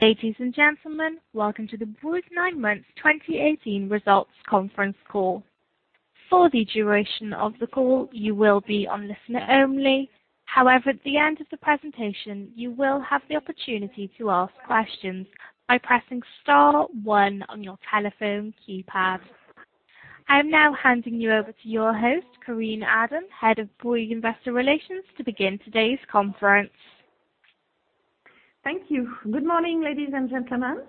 Ladies and gentlemen, welcome to the Bouygues nine months 2018 results conference call. For the duration of the call, you will be on listen-only. However, at the end of the presentation, you will have the opportunity to ask questions by pressing star one on your telephone keypad. I am now handing you over to your host, Karine Adam-Gruson, Head of Bouygues Investor Relations, to begin today's conference. Thank you. Good morning, ladies and gentlemen.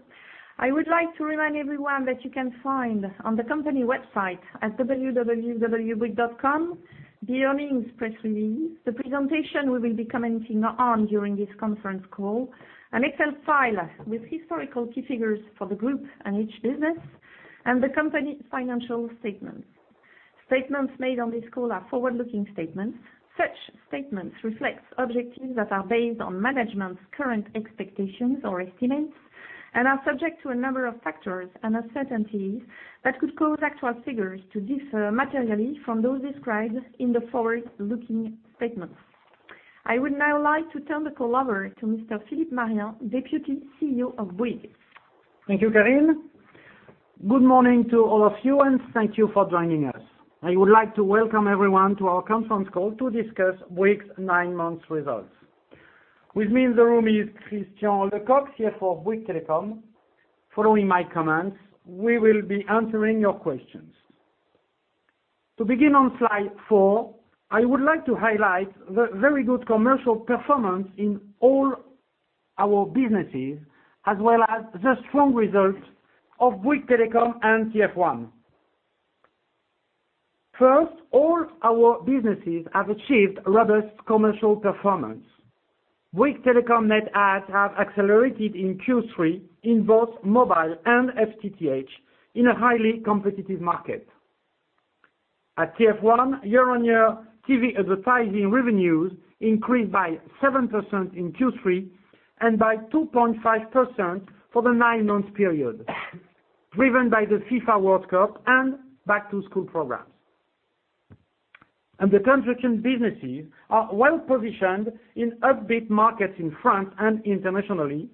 I would like to remind everyone that you can find on the company website at www.bouygues.com, the earnings press release, the presentation we will be commenting on during this conference call, an Excel file with historical key figures for the group and each business, and the company's financial statements. Statements made on this call are forward-looking statements. Such statements reflect objectives that are based on management's current expectations or estimates and are subject to a number of factors and uncertainties that could cause actual figures to differ materially from those described in the forward-looking statements. I would now like to turn the call over to Mr. Philippe Marien, Deputy CEO of Bouygues. Thank you, Karine. Good morning to all of you, and thank you for joining us. I would like to welcome everyone to our conference call to discuss Bouygues' nine months results. With me in the room is Christian Lecoq, CFO of Bouygues Telecom. Following my comments, we will be answering your questions. To begin on slide four, I would like to highlight the very good commercial performance in all our businesses, as well as the strong results of Bouygues Telecom and TF1. First, all our businesses have achieved robust commercial performance. Bouygues Telecom net adds have accelerated in Q3 in both mobile and FTTH in a highly competitive market. At TF1, year-on-year TV advertising revenues increased by 7% in Q3 and by 2.5% for the nine-month period, driven by the FIFA World Cup and back-to-school programs. The construction businesses are well-positioned in upbeat markets in France and internationally,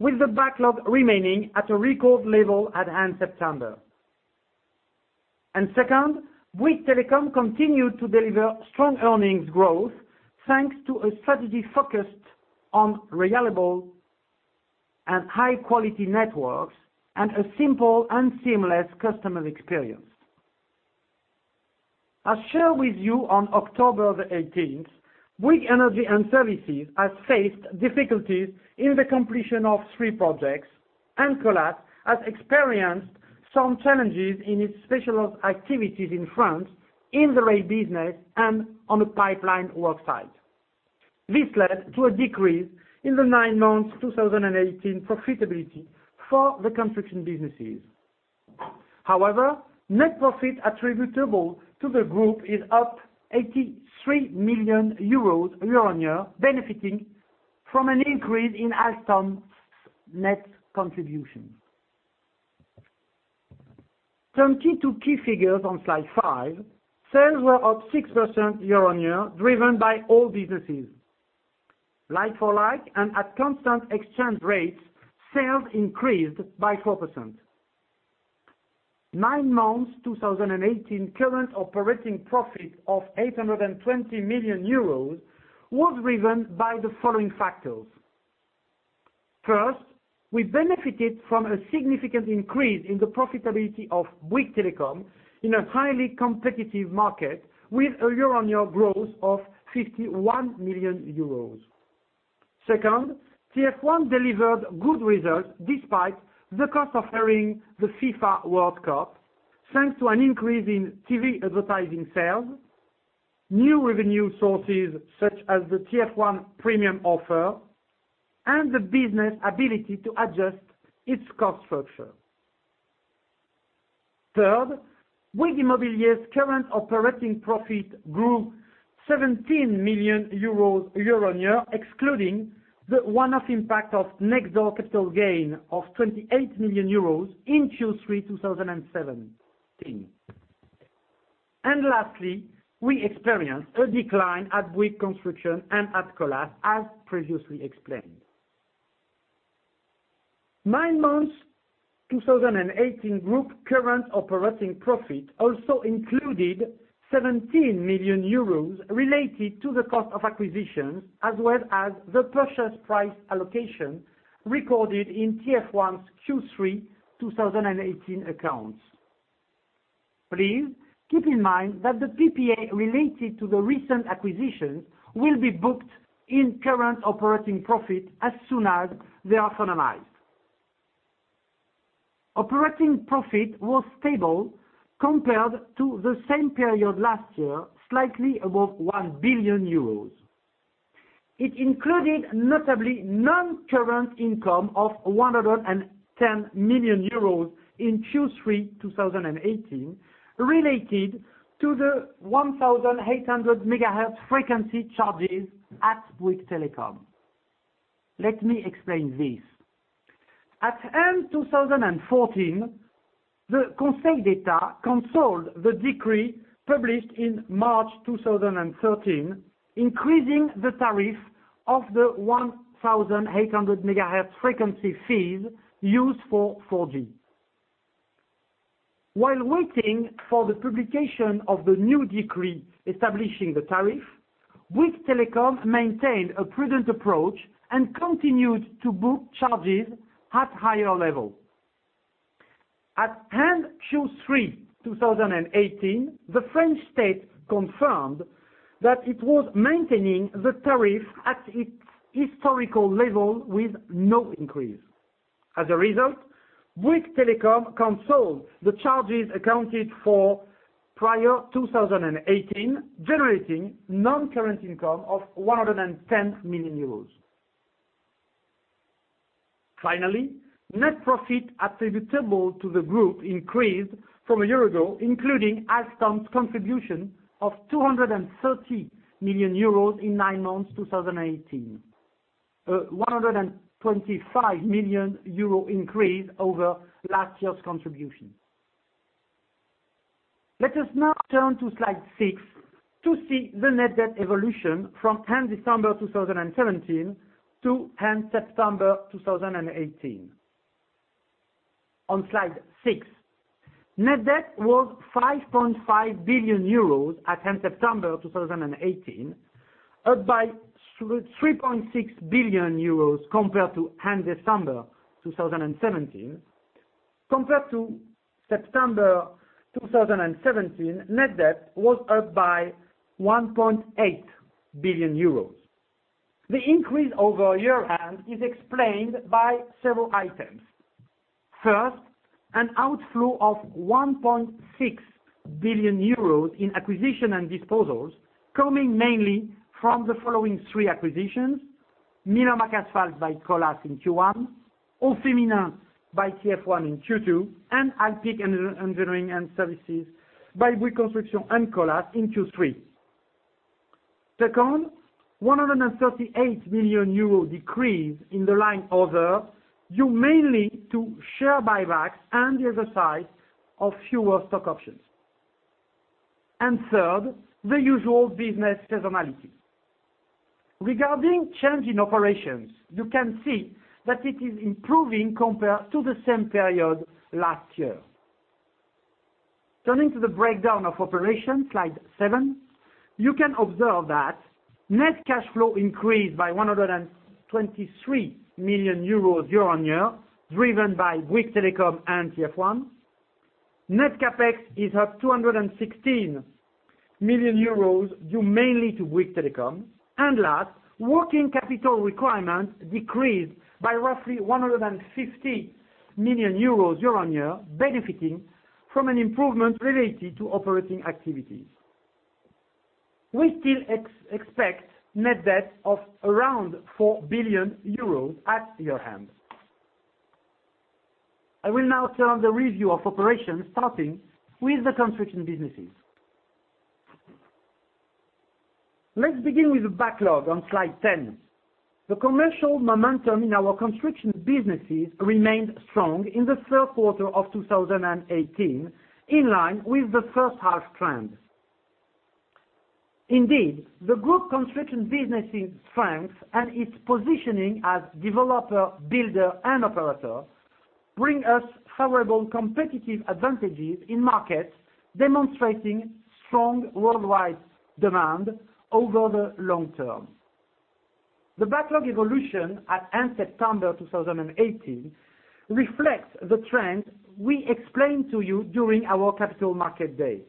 with the backlog remaining at a record level at end September. Second, Bouygues Telecom continued to deliver strong earnings growth thanks to a strategy focused on reliable and high-quality networks and a simple and seamless customer experience. I share with you on October 18th, Bouygues Energies & Services has faced difficulties in the completion of three projects. Colas has experienced some challenges in its specialist activities in France in the road business and on a pipeline worksite. This led to a decrease in the nine months 2018 profitability for the construction businesses. However, net profit attributable to the group is up 83 million euros year-on-year, benefiting from an increase in Alstom's net contribution. Turning to key figures on slide five. Sales were up 6% year-on-year, driven by all businesses. Like-for-like and at constant exchange rates, sales increased by 4%. Nine months 2018 current operating profit of 820 million euros was driven by the following factors. First, we benefited from a significant increase in the profitability of Bouygues Telecom in a highly competitive market with a year-on-year growth of 51 million euros. Second, TF1 delivered good results despite the cost of airing the FIFA World Cup, thanks to an increase in TV advertising sales, new revenue sources such as the TF1+ Premium offer, and the business ability to adjust its cost structure. Third, Bouygues Immobilier's current operating profit grew 17 million euros year-on-year, excluding the one-off impact of Nextdoor capital gain of 28 million euros in Q3 2017. Lastly, we experienced a decline at Bouygues Construction and at Colas, as previously explained. Nine months 2018 group current operating profit also included 17 million euros related to the cost of acquisitions, as well as the purchase price allocation recorded in TF1's Q3 2018 accounts. Please keep in mind that the PPA related to the recent acquisition will be booked in current operating profit as soon as they are finalized. Operating profit was stable compared to the same period last year, slightly above 1 billion euros. It included notably non-current income of 110 million euros in Q3 2018 related to the 1800 MHz frequency charges at Bouygues Telecom. Let me explain this. At end 2014, the Conseil d'État cancelled the decree published in March 2013, increasing the tariff of the 1800 MHz frequency fees used for 4G. While waiting for the publication of the new decree establishing the tariff, Bouygues Telecom maintained a prudent approach and continued to book charges at higher levels. At end Q3 2018, the French state confirmed that it was maintaining the tariff at its historical level with no increase. As a result, Bouygues Telecom cancelled the charges accounted for prior 2018, generating non-current income of 110 million euros. Net profit attributable to the group increased from a year ago, including Alstom's contribution of 230 million euros in nine months 2018, a 125 million euro increase over last year's contribution. Let us now turn to slide six to see the net debt evolution from end December 2017 to end September 2018. On slide six. Net debt was 5.5 billion euros at end September 2018, up by 3.6 billion euros compared to end December 2017. Compared to September 2017, net debt was up by 1.8 billion euros. The increase over a year end is explained by several items. First, an outflow of 1.6 billion euros in acquisitions and disposals coming mainly from the following three acquisitions: Miller McAsphalt by Colas in Q1, aufeminin by TF1 in Q2, and Alpiq Engineering Services by Bouygues Construction and Colas in Q3. Second, 138 million euro decrease in the line other, due mainly to share buybacks and the exercise of fewer stock options. Third, the usual business seasonality. Regarding change in operations, you can see that it is improving compared to the same period last year. Turning to the breakdown of operations, slide seven. You can observe that net cash flow increased by 123 million euros year-on-year, driven by Bouygues Telecom and TF1. Net CapEx is up 216 million euros, due mainly to Bouygues Telecom. Last, working capital requirements decreased by roughly 150 million euros year-on-year, benefiting from an improvement related to operating activities. We still expect net debt of around 4 billion euros at year-end. I will now turn the review of operations, starting with the construction businesses. Let's begin with the backlog on slide 10. The commercial momentum in our construction businesses remained strong in the third quarter of 2018, in line with the first half trends. Indeed, the group construction business's strength and its positioning as developer, builder, and operator bring us favorable competitive advantages in markets demonstrating strong worldwide demand over the long term. The backlog evolution at end September 2018 reflects the trend we explained to you during our capital market days.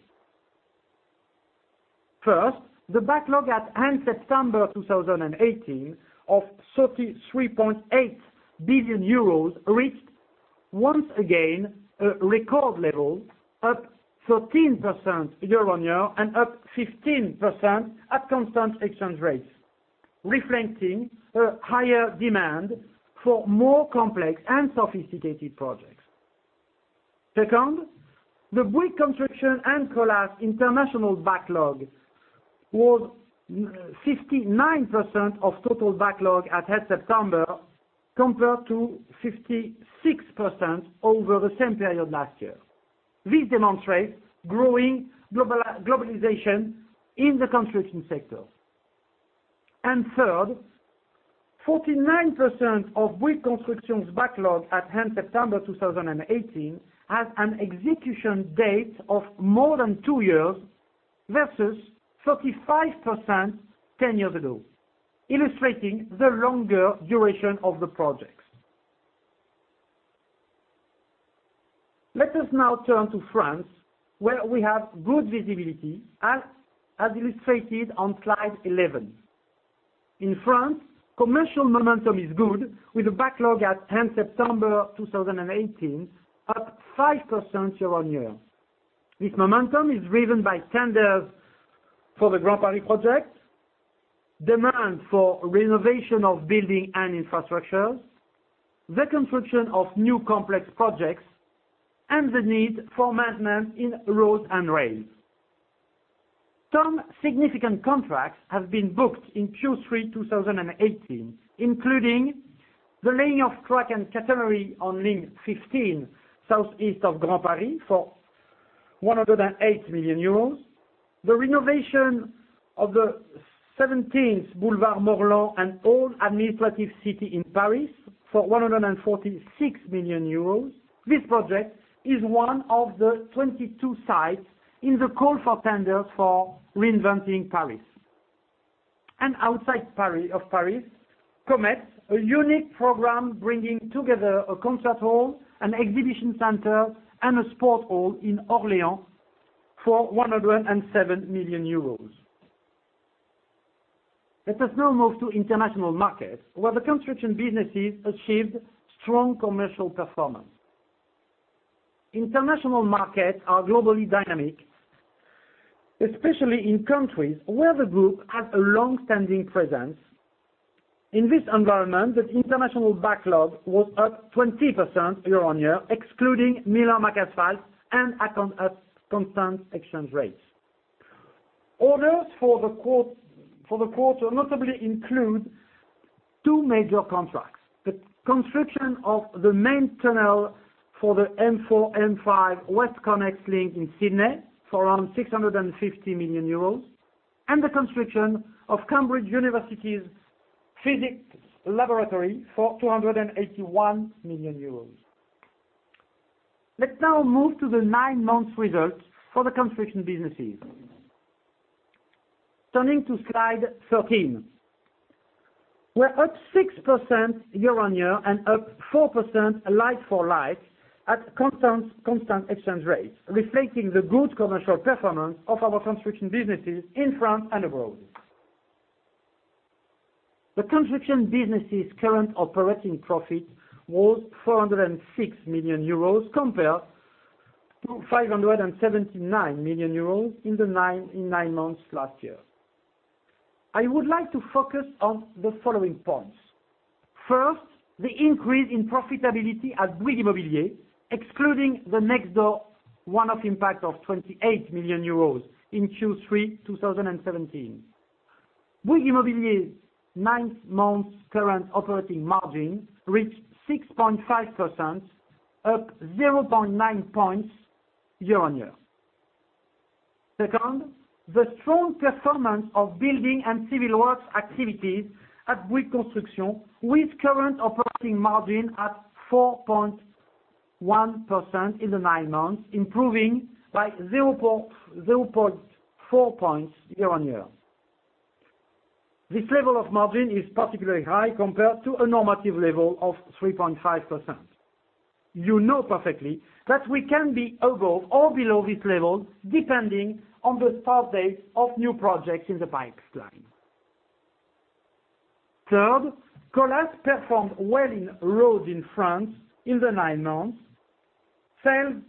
First, the backlog at end September 2018 of 33.8 billion euros reached once again a record level, up 13% year-on-year and up 15% at constant exchange rates, reflecting a higher demand for more complex and sophisticated projects. Second, the Bouygues Construction and Colas international backlog was 59% of total backlog at end September, compared to 56% over the same period last year. This demonstrates growing globalization in the construction sector. Third, 49% of Bouygues Construction's backlog at end September 2018 has an execution date of more than two years, versus 35% ten years ago, illustrating the longer duration of the projects. Let us now turn to France, where we have good visibility, as illustrated on slide 11. In France, commercial momentum is good, with a backlog at end September 2018 up 5% year-on-year. This momentum is driven by tenders for the Grand Paris projects, demand for renovation of buildings and infrastructure, the construction of new complex projects, and the need for maintenance in roads and rails. Some significant contracts have been booked in Q3 2018, including the laying of track and catenary on Line 15, South-East of Grand Paris, for 108 million euros. The renovation of the 17 Boulevard Morland, an old administrative city in Paris for 146 million euros. This project is one of the 22 sites in the call for tenders for Réinventer Paris. Outside of Paris, CO'MET, a unique program bringing together a concert hall, an exhibition center, and a sports hall in Orléans for 107 million euros. Let us now move to international markets, where the construction businesses achieved strong commercial performance. International markets are globally dynamic, especially in countries where the group has a long-standing presence. In this environment, the international backlog was up 20% year-on-year, excluding Miller McAsphalt and at constant exchange rates. Orders for the quarter notably include two major contracts. The construction of the main tunnel for the M4-M5 WestConnex link in Sydney for around 650 million euros, and the construction of University of Cambridge's physics laboratory for 281 million euros. Let's now move to the nine-month results for the construction businesses. Turning to slide 13. We're up 6% year-on-year and up 4% like-for-like at constant exchange rates, reflecting the good commercial performance of our construction businesses in France and abroad. The construction business's current operating profit was 406 million euros compared to 579 million euros in the nine months last year. I would like to focus on the following points. First, the increase in profitability at Bouygues Immobilier, excluding the Nextdoor one-off impact of 28 million euros in Q3 2017. Bouygues Immobilier's ninth-month current operating margin reached 6.5%, up 0.9 points year-on-year. Second, the strong performance of building and civil works activities at Bouygues Construction, with current operating margin at 4.1% in the nine months, improving by 0.4 points year-on-year. This level of margin is particularly high compared to a normative level of 3.5%. You know perfectly that we can be above or below this level, depending on the start date of new projects in the pipeline. Third, Colas performed well in roads in France in the nine months. Sales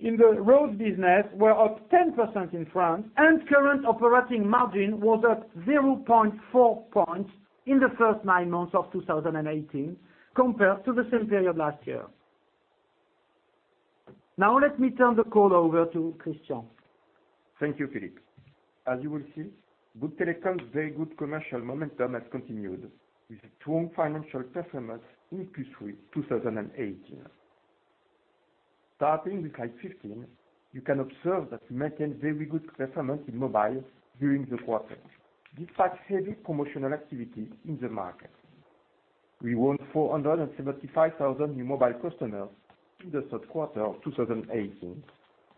in the roads business were up 10% in France, and current operating margin was up 0.4 points in the first nine months of 2018 compared to the same period last year. Now, let me turn the call over to Christian Lecoq. Thank you, Philippe Marien. As you will see, Bouygues Telecom's very good commercial momentum has continued, with a strong financial performance in Q3 2018. Starting with slide 15, you can observe that we maintained very good performance in mobile during the quarter, despite heavy promotional activity in the market. We won 475,000 new mobile customers in the third quarter of 2018,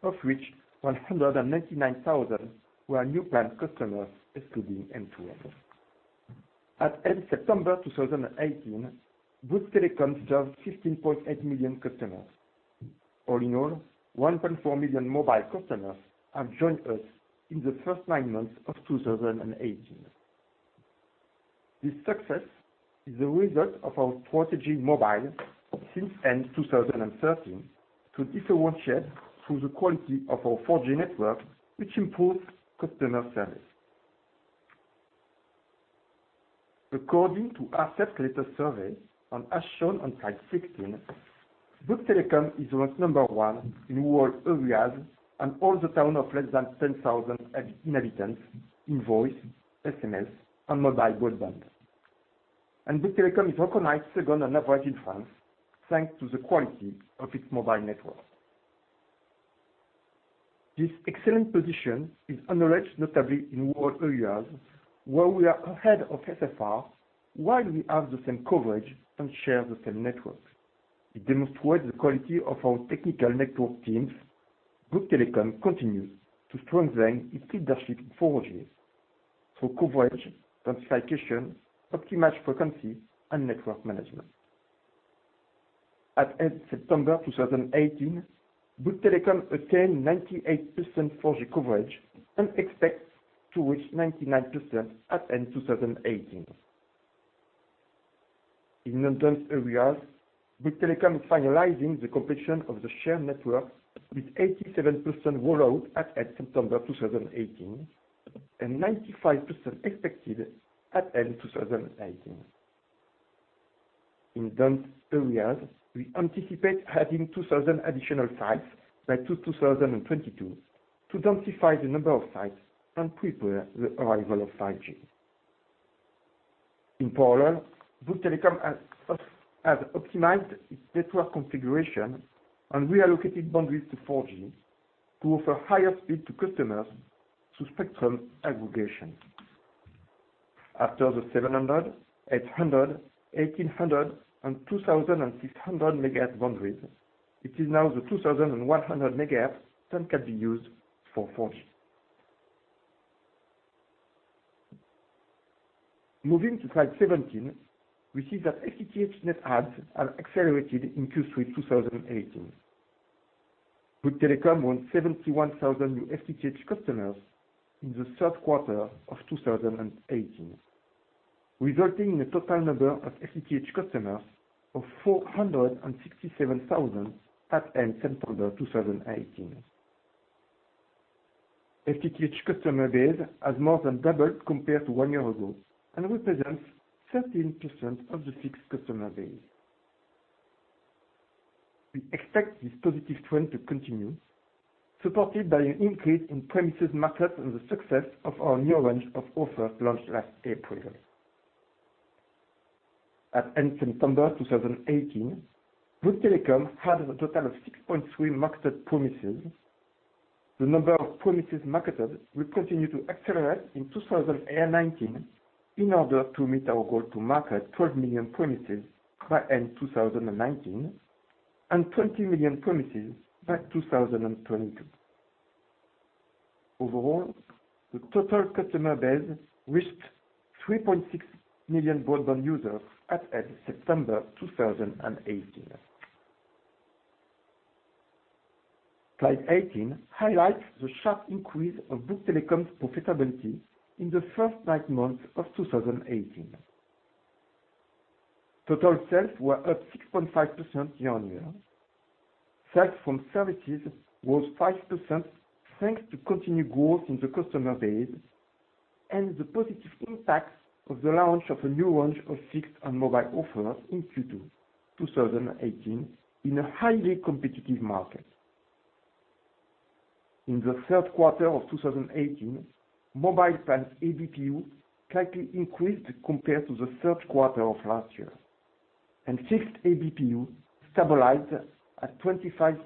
of which 199,000 were new plan customers, excluding M2M. At end September 2018, Bouygues Telecom served 15.8 million customers. All in all, 1.4 million mobile customers have joined us in the first nine months of 2018. This success is a result of our strategy in mobile since end 2013, to differentiate through the quality of our 4G network, which improves customer service. According to ARCEP customer survey, and as shown on slide 16, Bouygues Telecom is ranked number one in rural areas and all the towns of less than 10,000 inhabitants, in voice, SMS, and mobile broadband. Bouygues Telecom is recognized second on average in France, thanks to the quality of its mobile network. This excellent position is acknowledged notably in rural areas, where we are ahead of SFR, while we have the same coverage and share the same network. It demonstrates the quality of our technical network teams. Bouygues Telecom continues to strengthen its leadership in 4G through coverage, densification, optimized frequency, and network management. At end September 2018, Bouygues Telecom attained 98% 4G coverage and expects to reach 99% at end 2018. In urban areas, Bouygues Telecom is finalizing the completion of the shared network with 87% rollout at end September 2018, and 95% expected at end 2018. In dense areas, we anticipate having 2,000 additional sites by 2022 to densify the number of sites and prepare the arrival of 5G. In parallel, Bouygues Telecom has optimized its network configuration and reallocated bandwidth to 4G to offer higher speeds to customers through spectrum aggregation. After the 700, 800, 1800 and 2600 MHz bandwidth, it is now the 2100 MHz that can be used for 4G. Moving to slide 17, we see that FTTH net adds are accelerated in Q3 2018. Bouygues Telecom won 71,000 new FTTH customers in the third quarter of 2018, resulting in a total number of FTTH customers of 467,000 at end September 2018. FTTH customer base has more than doubled compared to one year ago and represents 13% of the fixed customer base. We expect this positive trend to continue, supported by an increase in premises marketed and the success of our new range of o ffers launched last April. At end September 2018, Bouygues Telecom had a total of 6.3 million marketed premises. The number of premises marketed will continue to accelerate in 2019 in order to meet our goal to market 12 million premises by end 2019, and 20 million premises by 2022. Overall, the total customer base reached 3.6 million broadband users at end September 2018. Slide 18 highlights the sharp increase of Bouygues Telecom's profitability in the first nine months of 2018. Total sales were up 6.5% year-on-year. Sales from services were 5%, thanks to continued growth in the customer base and the positive impacts of the launch of a new range of fixed and mobile offers in Q2 2018 in a highly competitive market. In the third quarter of 2018, mobile plan ABPU slightly increased compared to the third quarter of last year, and fixed ABPU stabilized at 25.5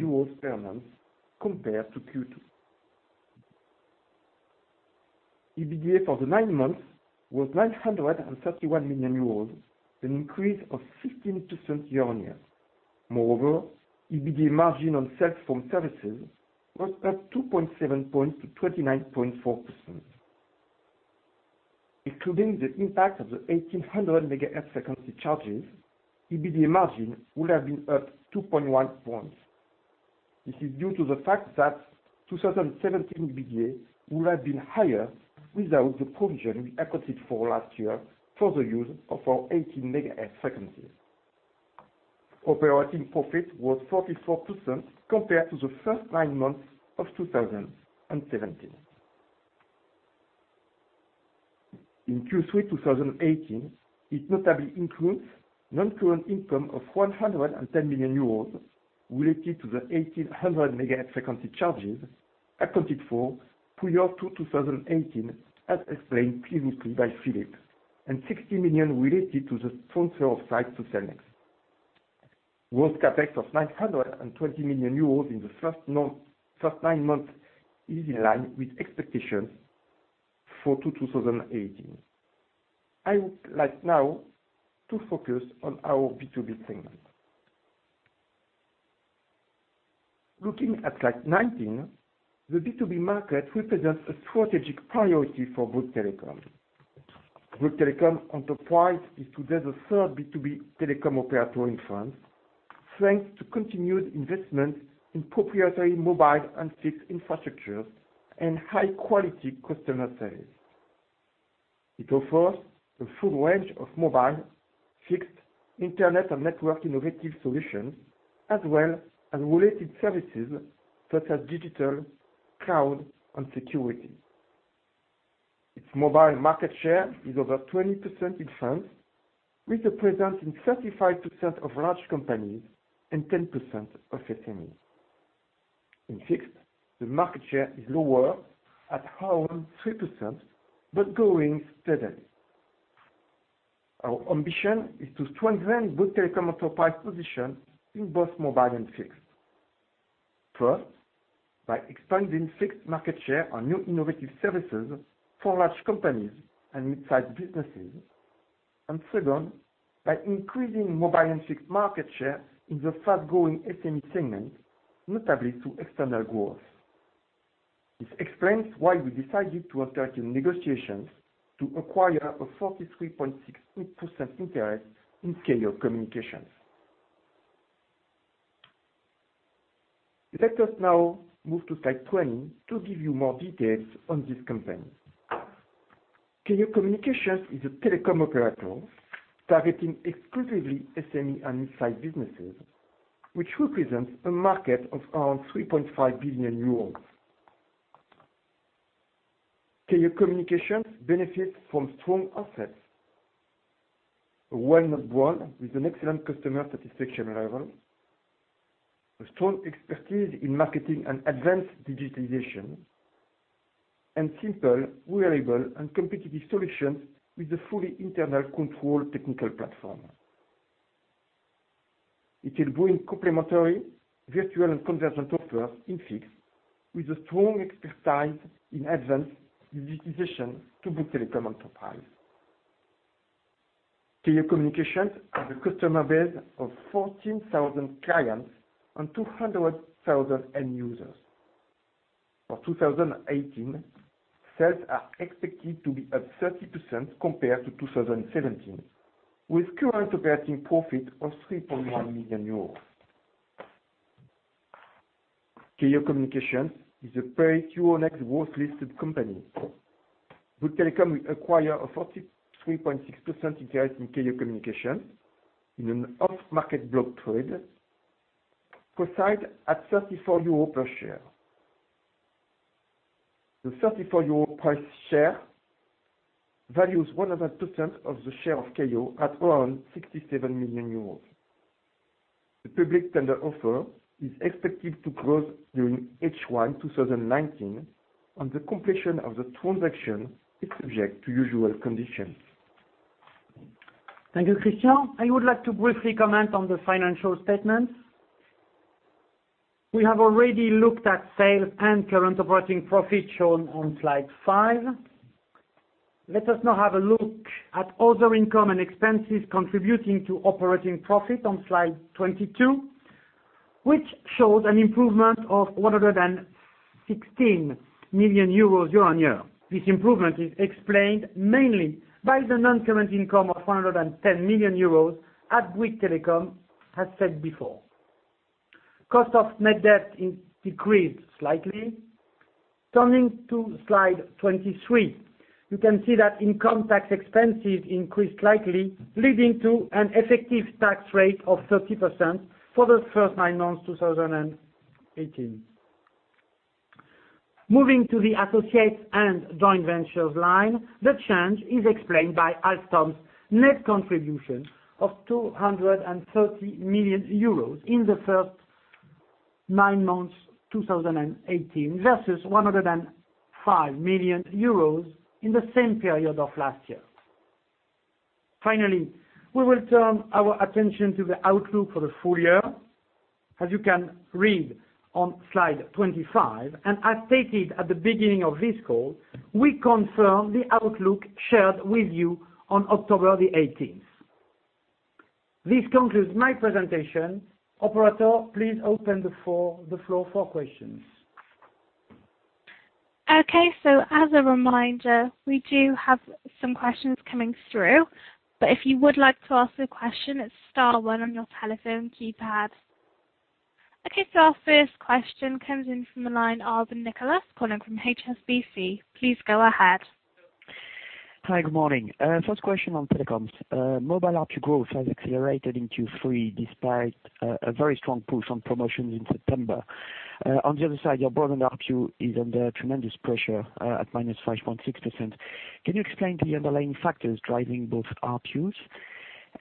euros per month compared to Q2. EBITDA for the nine months was 931 million euros, an increase of 16% year-on-year. Moreover, EBITDA margin on sales from services was up 2.7 points to 29.4%. Excluding the impact of the 1800 MHz frequency charges, EBITDA margin would have been up 2.1 points. This is due to the fact that 2017 EBITDA would have been higher without the provision we accounted for last year for the use of our 1800 MHz frequencies. Operating profit was 44% compared to the first nine months of 2017. In Q3 2018, it notably includes non-current income of 110 million euros related to the 1800 MHz frequency charges accounted for prior to 2018, as explained previously by Philippe, and 60 million related to the transfer of sites to Cellnex. Gross CapEx of 920 million euros in the first nine months is in line with expectations for 2018. I would like now to focus on our B2B segment. Looking at slide 19, the B2B market represents a strategic priority for Bouygues Telecom. Bouygues Telecom Entreprises is today the third B2B telecom operator in France, thanks to continued investments in proprietary mobile and fixed infrastructures and high-quality customer service. It offers a full range of mobile, fixed internet, and network innovative solutions, as well as related services such as digital, cloud, and security. Its mobile market share is over 20% in France, with a presence in 35% of large companies and 10% of SMEs. In fixed, the market share is lower at around 3%, but growing steadily. Our ambition is to strengthen Bouygues Telecom Entreprises' position in both mobile and fixed. First, by expanding fixed market share on new innovative services for large companies and mid-sized businesses. Second, by increasing mobile and fixed market share in the fast-growing SME segment, notably through external growth. This explains why we decided to undertake negotiations to acquire a 43.68% interest in Keyyo Communications. Let us now move to slide 20 to give you more details on this company. Keyyo Communications is a telecom operator targeting exclusively SME and mid-sized businesses, which represents a market of around 3.5 billion euros. Keyyo Communications benefits from strong assets. A well-known brand with an excellent customer satisfaction level, a strong expertise in marketing and advanced digitalization, and simple, reliable, and competitive solutions with a fully internal control technical platform. It will bring complementary virtual and convergent offers in fixed with a strong expertise in advanced digitalization to Bouygues Telecom Entreprises. Keyyo Communications has a customer base of 14,000 clients and 200,000 end users. For 2018, sales are expected to be up 30% compared to 2017, with current operating profit of 3.1 million euros. Keyyo Communications is a Paris Euronext Growth-listed company. Bouygues Telecom will acquire a 43.6% interest in Keyyo Communications in an off-market block trade priced at 34 euro per share. The 34 euro price share values 100% of the share of Keyyo at around 67 million euros. The public tender offer is expected to close during H1 2019, and the completion of the transaction is subject to usual conditions. Thank you, Christian. I would like to briefly comment on the financial statements. We have already looked at sales and current operating profit shown on slide five. Let us now have a look at other income and expenses contributing to operating profit on slide 22, which shows an improvement of 116 million euros year-on-year. This improvement is explained mainly by the non-current income of 110 million euros as Bouygues Telecom has said before. Cost of net debt decreased slightly. Turning to slide 23. You can see that income tax expenses increased slightly, leading to an effective tax rate of 30% for the first nine months 2018. Moving to the associates and joint ventures line, the change is explained by Alstom's net contribution of 230 million euros in the first nine months 2018, versus 105 million euros in the same period of last year. Finally, we will turn our attention to the outlook for the full year. As you can read on slide 25, and as stated at the beginning of this call, we confirm the outlook shared with you on October 18th. This concludes my presentation. Operator, please open the floor for questions. Okay. As a reminder, we do have some questions coming through. But if you would like to ask a question, it's star one on your telephone keypad. Okay. Our first question comes in from the line of Nicolas Cote-Colisson from HSBC. Please go ahead. Hi, good morning. First question on telecoms. Mobile ARPU growth has accelerated into three, despite a very strong push on promotions in September. On the other side, your broad ARPU is under tremendous pressure at -5.6%. Can you explain the underlying factors driving both ARPUs?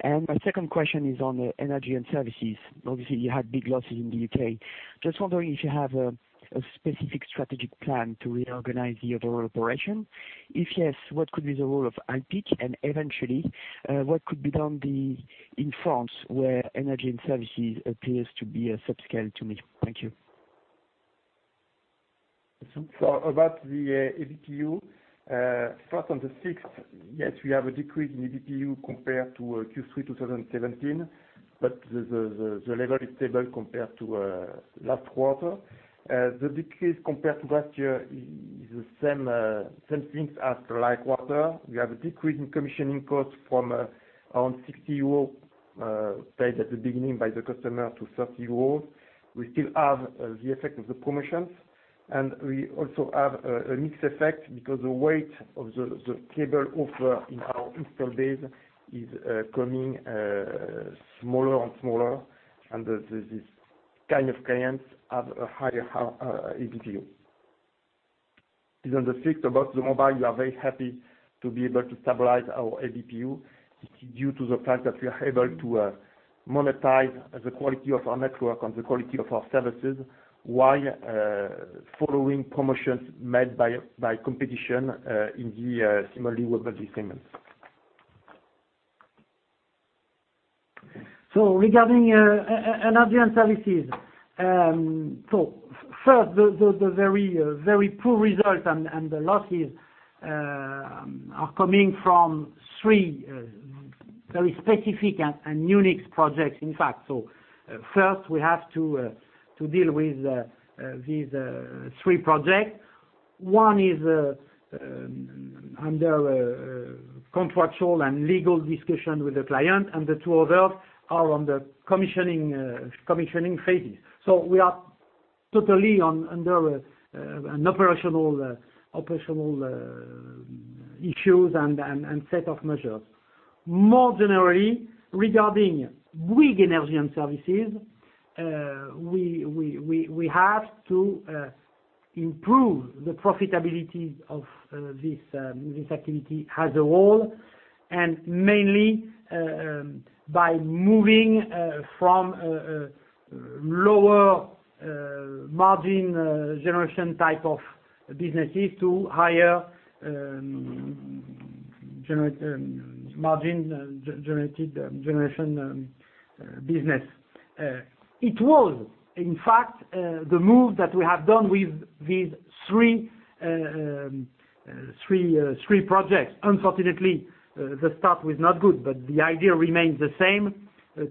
My second question is on energy and services. Obviously, you had big losses in the U.K. Just wondering if you have a specific strategic plan to reorganize the overall operation. If yes, what could be the role of Alpiq and eventually, what could be done in France where energy and services appears to be a subscale to me? Thank you. About the ABPU. First, on the fixed, yes, we have a decrease in ABPU compared to Q3 2017, but the level is stable compared to last quarter. The decrease compared to last year is the same things as last quarter. We have a decrease in commissioning costs from around 60 euros paid at the beginning by the customer to 30 euros. We still have the effect of the promotions, we also have a mixed effect because the weight of the cable offer in our install base is becoming smaller and smaller, and these kinds of clients have a higher ABPU. It is undefined about the mobile. We are very happy to be able to stabilize our ABPU due to the fact that we are able to monetize the quality of our network and the quality of our services while following promotions made by competition in the SIM-only mobile segment. Regarding energy and services. First, the very poor results and the losses are coming from three very specific and unique projects, in fact. First, we have to deal with these three projects. One is under contractual and legal discussion with the client, and the two others are under commissioning phases. We are totally under operational issues and a set of measures. More generally, regarding Bouygues Energies & Services, we have to improve the profitability of this activity as a whole, mainly by moving from a lower margin generation type of businesses to higher margin generation business. It was, in fact, the move that we have done with these three projects. Unfortunately, the start was not good, the idea remains the same: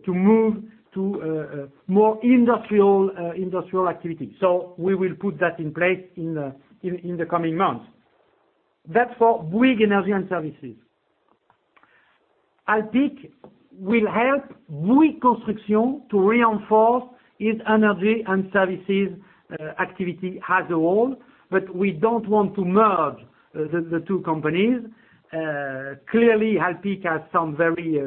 to move to a more industrial activity. We will put that in place in the coming months. That's for Bouygues Energies & Services. Alpiq will help Bouygues Construction to reinforce its energy and services activity as a whole, we don't want to merge the two companies. Clearly, Alpiq has some very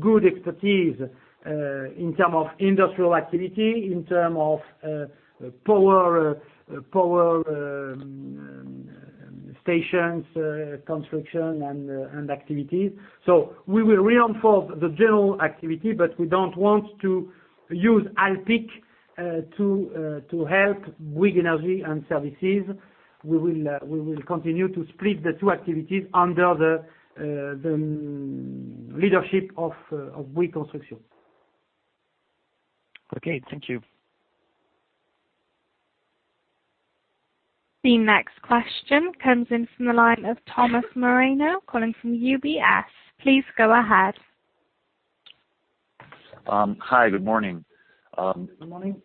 good expertise in terms of industrial activity, in terms of power stations construction and activities. We will reinforce the general activity, we don't want to use Alpiq to help Bouygues Energies & Services. We will continue to split the two activities under the leadership of Bouygues Construction. Okay, thank you. The next question comes in from the line of Tomas Moreno de Guerra calling from UBS. Please go ahead. Hi, good morning. Good morning.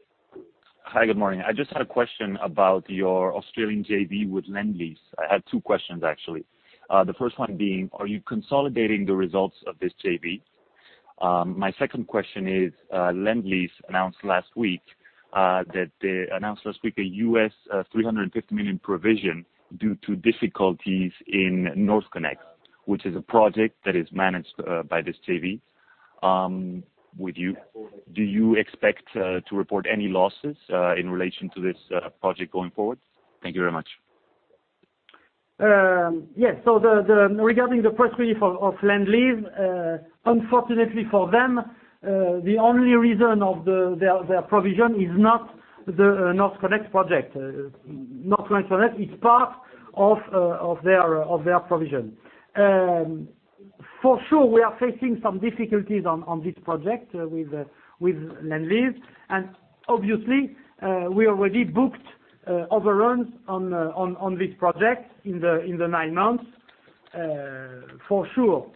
Hi, good morning. I just had a question about your Australian JV with Lendlease. I had two questions, actually. The first one being, are you consolidating the results of this JV? My second question is, Lendlease announced last week a $350 million provision due to difficulties in NorthConnex, which is a project that is managed by this JV, with you. Do you expect to report any losses in relation to this project going forward? Thank you very much. Yes. Regarding the first query of Lendlease, unfortunately for them, the only reason of their provision is not the NorthConnex project. NorthConnex is part of their provision. For sure, we are facing some difficulties on this project with Lendlease, and obviously, we already booked overruns on this project in the nine months, for sure.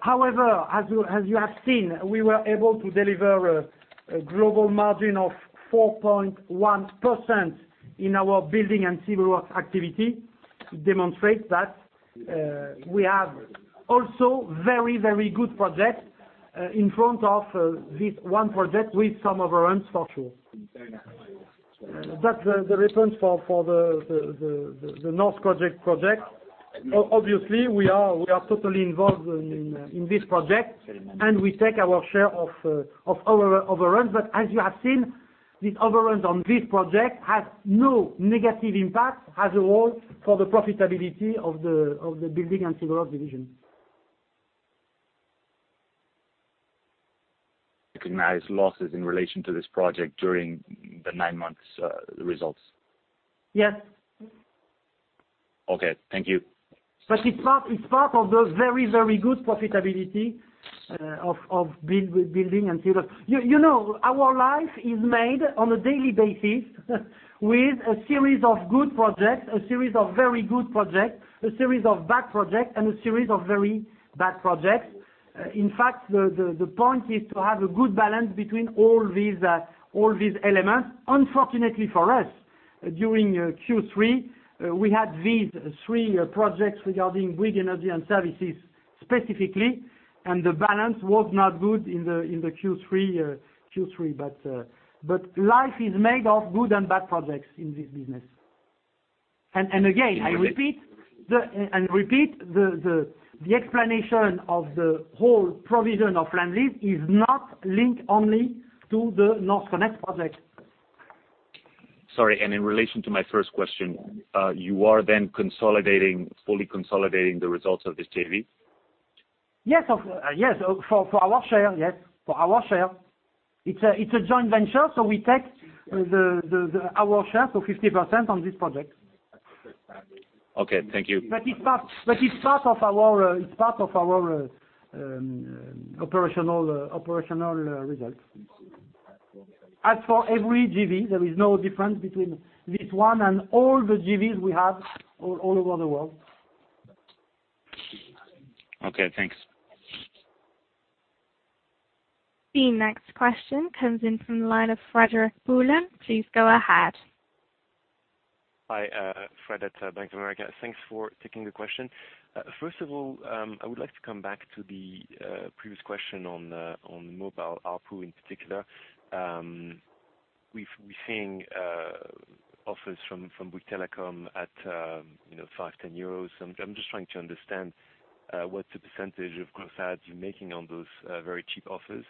However, as you have seen, we were able to deliver a global margin of 4.1% in our building and civil works activity to demonstrate that we have also very good projects in front of this one project with some overruns, for sure. That's the response for the NorthConnex project. Obviously, we are totally involved in this project, and we take our share of our overruns. As you have seen, this overruns on this project has no negative impact as a whole for the profitability of the building and civil division. Recognize losses in relation to this project during the nine months results. Yes. Okay. Thank you. It's part of the very, very good profitability of building and civil. You know, our life is made on a daily basis with a series of good projects, a series of very good projects, a series of bad projects, and a series of very bad projects. In fact, the point is to have a good balance between all these elements. Unfortunately for us, during Q3, we had these three projects regarding Bouygues Energies & Services specifically, and the balance was not good in the Q3. Life is made of good and bad projects in this business. Again, I repeat the explanation of the whole provision of Lendlease is not linked only to the NorthConnex project. Sorry, in relation to my first question, you are then fully consolidating the results of this JV? Yes, for our share. It's a joint venture, so we take our share, so 50% on this project. Okay, thank you. It's part of our operational results. As for every JV, there is no difference between this one and all the JVs we have all over the world. Okay, thanks. The next question comes in from the line of Frédéric Poulin. Please go ahead. Hi, Fred at Bank of America. Thanks for taking the question. First of all, I would like to come back to the previous question on mobile ARPU in particular. We're seeing offers from Bouygues Telecom at 5 euros, 10 euros. I'm just trying to understand what the percentage of gross adds you're making on those very cheap offers,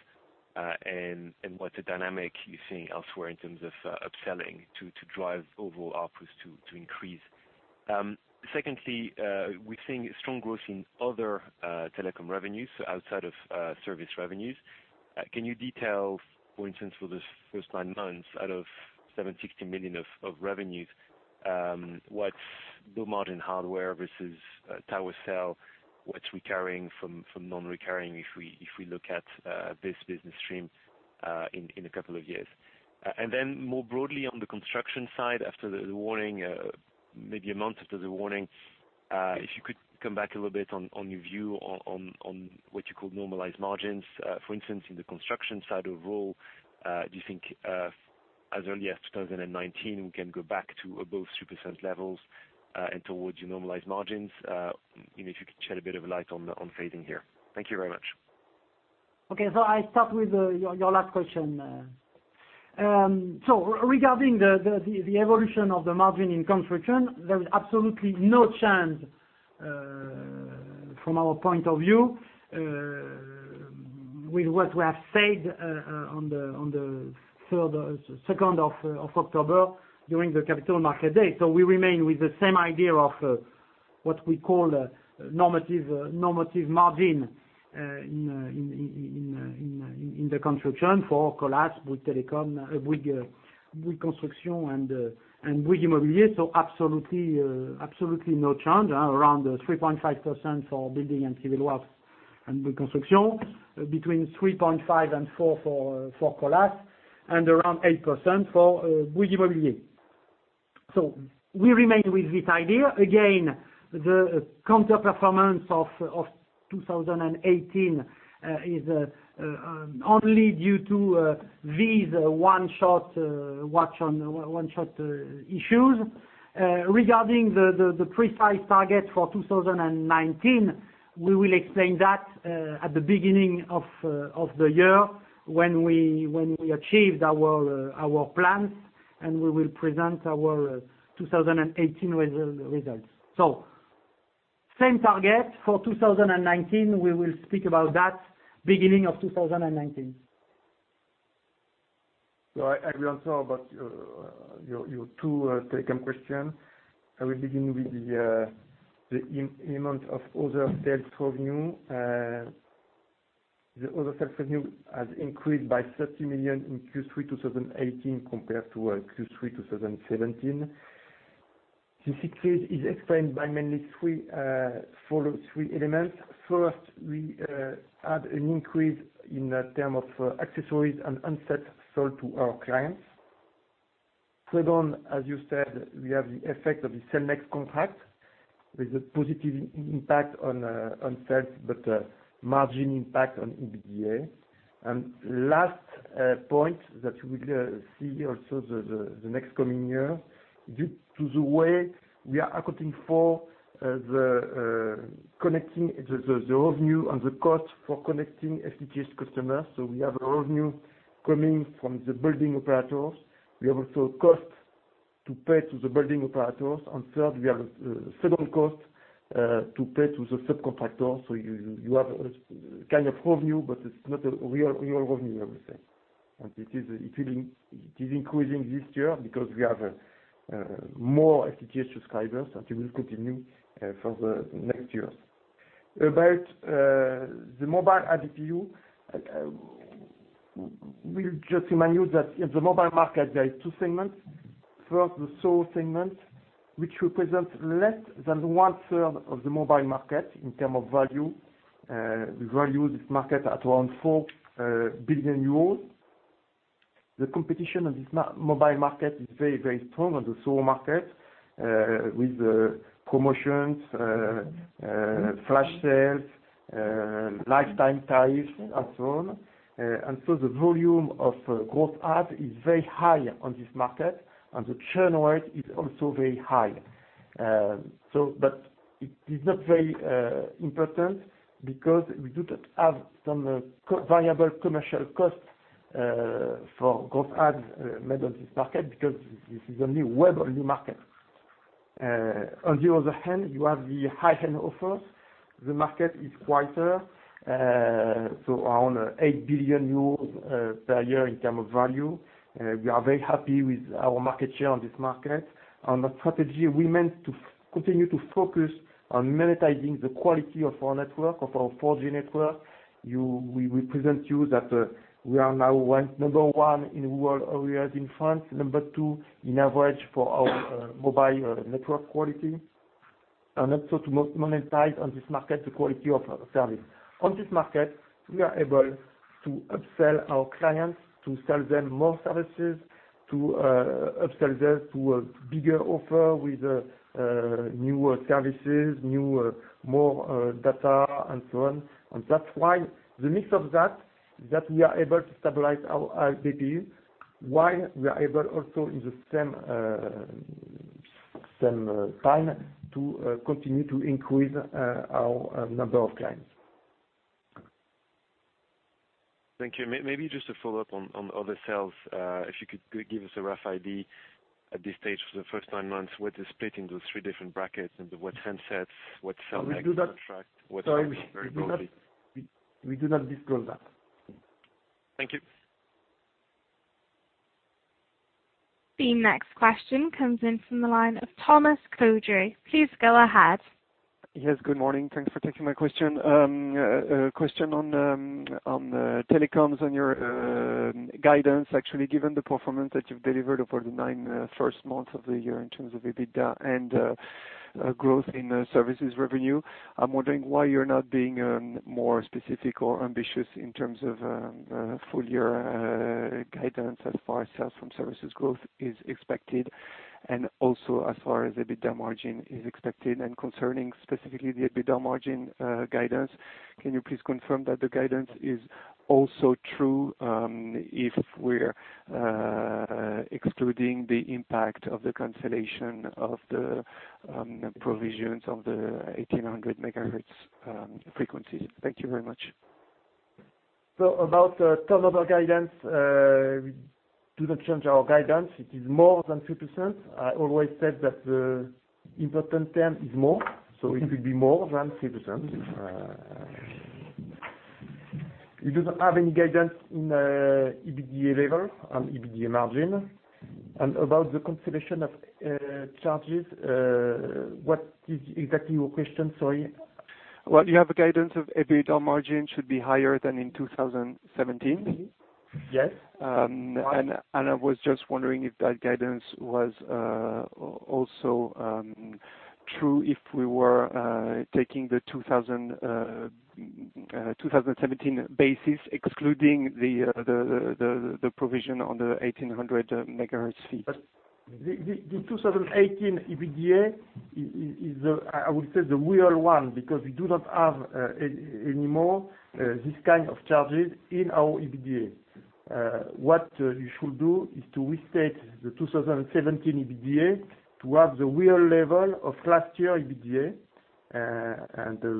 and what the dynamic you're seeing elsewhere in terms of upselling to drive overall ARPU to increase. Secondly, we're seeing strong growth in other telecom revenues outside of service revenues. Can you detail, for instance, for the first nine months out of 760 million of revenues, what's the margin hardware versus tower cell? What's recurring from non-recurring, if we look at this business stream in a couple of years? More broadly on the construction side, maybe a month after the warning, if you could come back a little bit on your view on what you call normalized margins. For instance, in the construction side overall, do you think as early as 2019, we can go back to above 3% levels and towards your normalized margins? If you could shed a bit of light on phasing here. Thank you very much. I start with your last question. Regarding the evolution of the margin in construction, there is absolutely no change from our point of view with what we have said on the October 2nd during the capital market day. We remain with the same idea of what we call normative margin in the construction for Colas, Bouygues Construction, and Bouygues Immobilier. Absolutely no change. Around 3.5% for building and civil works and Bouygues Construction, between 3.5 and 4 for Colas, and around 8% for Bouygues Immobilier. We remain with this idea. Again, the counter-performance of 2018 is only due to these one-shot issues. Regarding the precise target for 2019, we will explain that at the beginning of the year, when we achieve our plans, and we will present our 2018 results. Same target for 2019. We will speak about that beginning of 2019. I will answer about your two telecom questions. I will begin with the amount of other sales revenue. The other sales revenue has increased by 30 million in Q3 2018 compared to Q3 2017. This increase is explained by mainly three elements. First, we had an increase in terms of accessories and handsets sold to our clients. Second, as you said, we have the effect of the Cellnex contract with a positive impact on sales but a margin impact on EBITDA. Last point that you will see also the next coming year, due to the way we are accounting for the connecting the revenue and the cost for connecting FTTH customers. We have revenue coming from the building operators. We have also costs to pay to the building operators. Third, we have second costs to pay to the subcontractor. You have a kind of revenue, but it's not a real revenue, I would say. It is increasing this year because we have more FTTH subscribers, and it will continue for the next years. About the mobile ARPU, we'll just remind you that in the mobile market, there are two segments. First, the sole segment, which represents less than one-third of the mobile market in terms of value. We value this market at around 4 billion euros. The competition on this mobile market is very, very strong on the sole market, with promotions, flash sales, lifetime tariffs, and so on. The volume of growth add is very high on this market, and the churn rate is also very high. It is not very important because we do not have some variable commercial costs for growth adds made on this market because this is a new web-only market. You have the high-end offers. The market is quieter, so around 8 billion euros per year in term of value. We are very happy with our market share on this market. We meant to continue to focus on monetizing the quality of our network, of our 4G network. We present you that we are now number one in rural areas in France, number two in average for our mobile network quality. Also, to monetize on this market the quality of service. We are able to upsell our clients, to sell them more services, to upsell them to a bigger offer with newer services, more data, and so on. That's why the mix of that we are able to stabilize our ARPU, while we are able also at the same time to continue to increase our number of clients. Thank you. Just a follow-up on other sales. If you could give us a rough idea at this stage for the first nine months, what is split into three different brackets into what handsets, what sellback contract- Sorry, we do not disclose that. Thank you. The next question comes in from the line of Thomas Coudry. Please go ahead. Yes. Good morning. Thanks for taking my question. A question on the telecoms on your guidance, actually. Given the performance that you've delivered over the nine first months of the year in terms of EBITDA and growth in services revenue, I'm wondering why you're not being more specific or ambitious in terms of full year guidance as far as sales from services growth is expected, and also as far as EBITDA margin is expected. Concerning specifically the EBITDA margin guidance, can you please confirm that the guidance is also true if we're excluding the impact of the cancellation of the provisions of the 1,800 MHz frequency? Thank you very much. About the turnover guidance, we do not change our guidance. It is more than 3%. I always said that the important term is more, it will be more than 3%. We do not have any guidance in EBITDA level and EBITDA margin. About the consideration of charges, what is exactly your question? Sorry. Well, you have a guidance of EBITDA margin should be higher than in 2017. Yes. I was just wondering if that guidance was also true if we were taking the 2017 basis, excluding the provision on the 1,800 MHz fee. The 2018 EBITDA is, I would say, the real one, because we do not have any more this kind of charges in our EBITDA. What you should do is to restate the 2017 EBITDA to have the real level of last year EBITDA.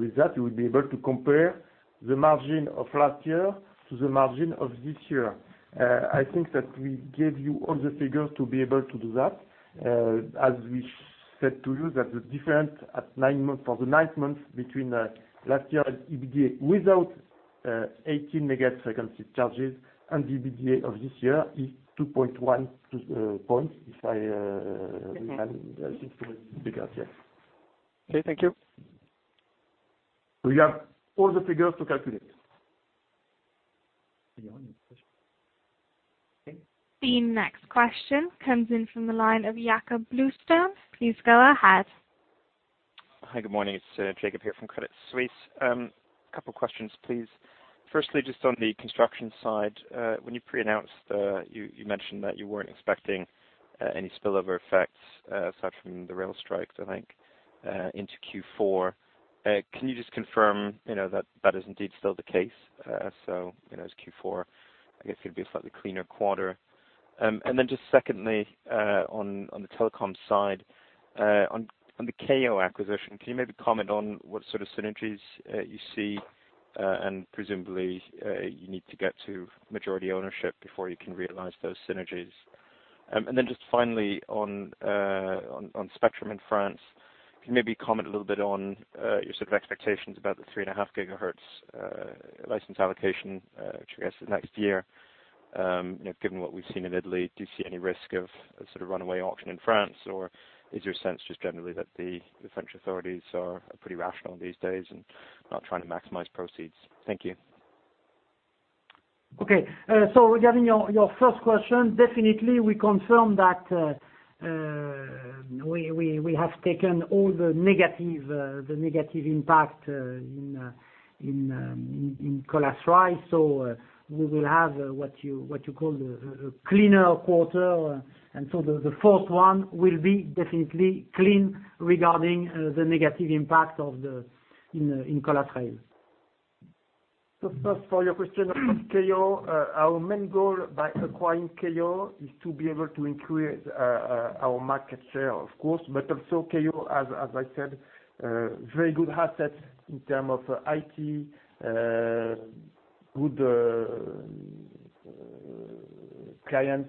With that, you will be able to compare the margin of last year to the margin of this year. I think that we gave you all the figures to be able to do that. As we said to you, that the difference for the nine months between last year's EBITDA without 1800 MHz frequency charges and the EBITDA of this year is 2.1 points, if I recall the figures. Yes. Okay, thank you. You have all the figures to calculate. The next question comes in from the line of Jakob Bluestone. Please go ahead. Hi, good morning. It's Jakob here from Credit Suisse. Couple of questions, please. Firstly, just on the construction side. When you pre-announced, you mentioned that you weren't expecting any spillover effects apart from the rail strikes, I think, into Q4. Can you just confirm that is indeed still the case? As Q4, I guess it'd be a slightly cleaner quarter. Secondly, on the telecom side, on the Keyyo acquisition, can you maybe comment on what sort of synergies you see? Presumably, you need to get to majority ownership before you can realize those synergies. Finally, on spectrum in France, can you maybe comment a little bit on your sort of expectations about the three and a half GHz license allocation, which I guess is next year? Given what we've seen in Italy, do you see any risk of sort of runaway auction in France, or is your sense just generally that the French authorities are pretty rational these days and not trying to maximize proceeds? Thank you. Regarding your first question, definitely we confirm that we have taken all the negative impact in Colas Rail. We will have what you call a cleaner quarter. The fourth one will definitely be clean regarding the negative impact in Colas Rail. First, for your question on Keyyo. Our main goal by acquiring Keyyo is to be able to increase our market share, of course, but also Keyyo, as I said, very good assets in terms of IT, good client-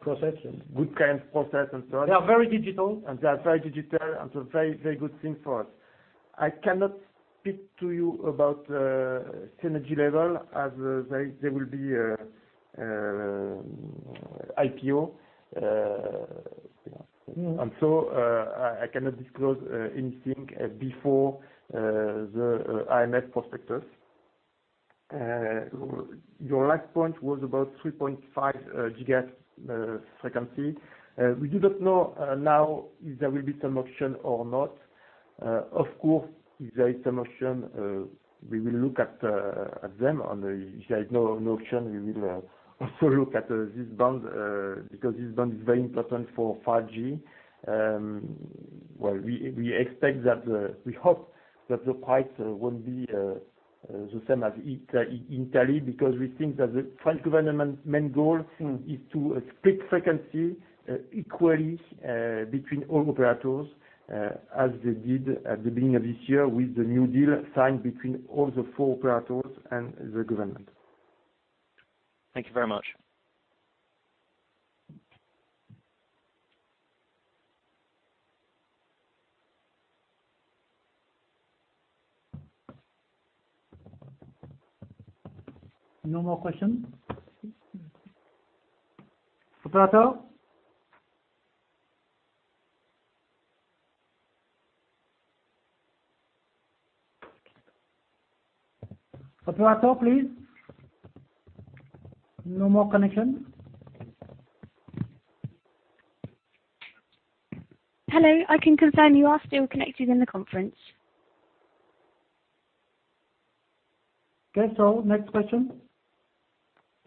Process Good client process and so on. They are very digital. They are very digital, very good thing for us. I cannot speak to you about synergy level, as they will be IPO. I cannot disclose anything before the AMF prospectus. Your last point was about 3.5 GHz frequency. We do not know now if there will be some auction or not. Of course, if there is an auction, we will look at them, and if there is no auction, we will also look at this band, because this band is very important for 5G. We hope that the price won't be the same as in Italy, because we think that the French government's main goal is to split frequency equally between all operators as they did at the beginning of this year with the New Deal signed between all the four operators and the government. Thank you very much. No more questions? Operator. Operator, please. No more connection. Hello. I can confirm you are still connected in the conference. Okay. Next question.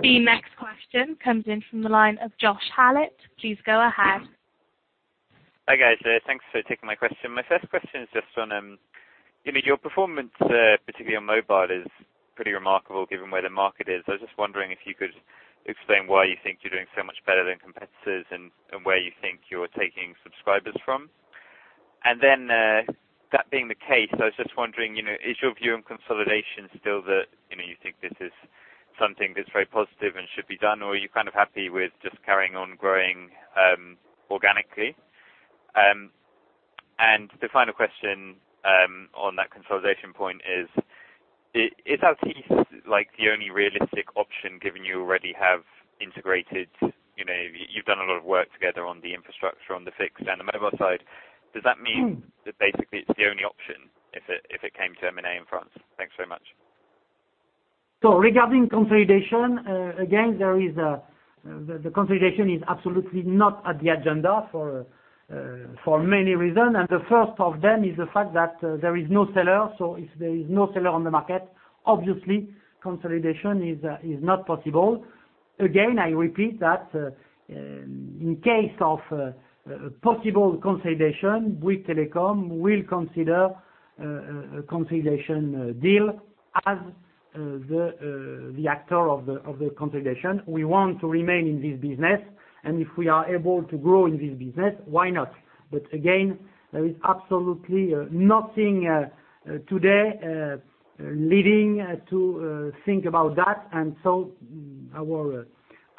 The next question comes in from the line of Josh Hallett. Please go ahead. Hi, guys. Thanks for taking my question. My first question is just on your performance, particularly on mobile, is pretty remarkable given where the market is. I was just wondering if you could explain why you think you're doing so much better than competitors and where you think you're taking subscribers from. Then, that being the case, I was just wondering, is your view on consolidation still that you think this is something that's very positive and should be done, or are you kind of happy with just carrying on growing organically? The final question on that consolidation point is Altice the only realistic option, given you already have integrated? You've done a lot of work together on the infrastructure on the fixed and the mobile side. Does that mean that basically it's the only option if it came to M&A in France? Thanks very much. Regarding consolidation, again, the consolidation is absolutely not on the agenda for many reasons. The first of them is the fact that there is no seller. If there is no seller on the market, obviously, consolidation is not possible. Again, I repeat that in case of possible consolidation, Bouygues Telecom will consider a consolidation deal as the actor of the consolidation. We want to remain in this business, and if we are able to grow in this business, why not? Again, there is absolutely nothing today leading to think about that.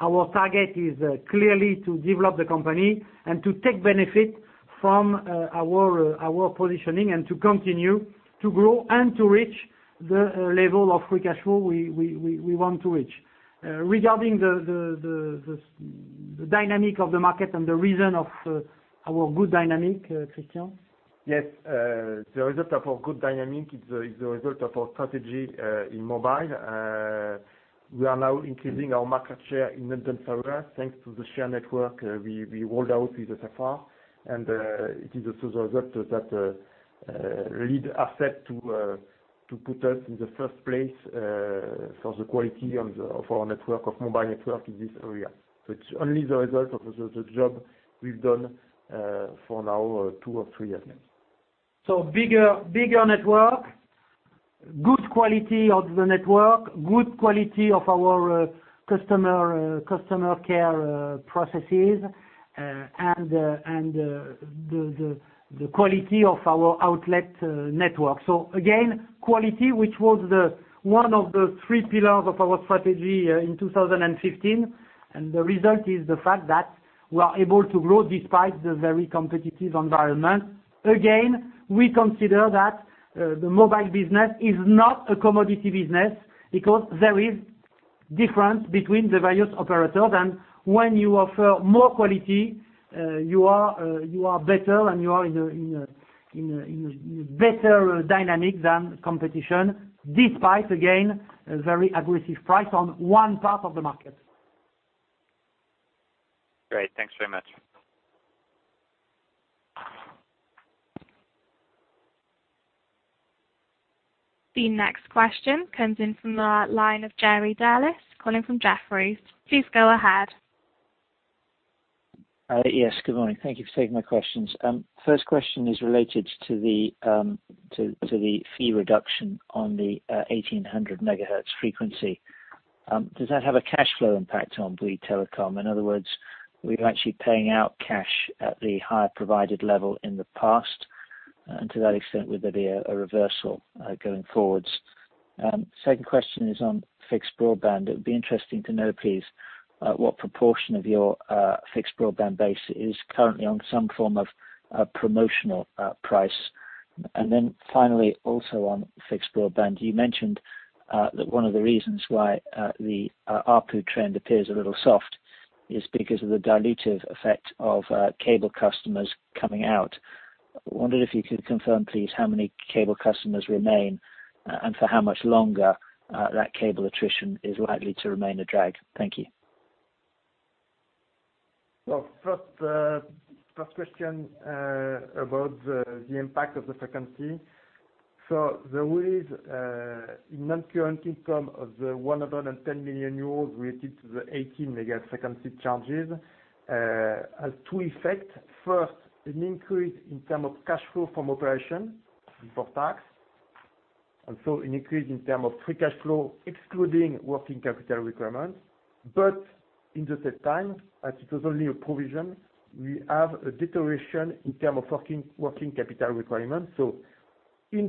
Our target is clearly to develop the company and to take benefit from our positioning and to continue to grow and to reach the level of free cash flow we want to reach. Regarding the dynamic of the market and the reason of our good dynamic, Christian? Yes. The result of our good dynamic is the result of our strategy in mobile. We are now increasing our market share in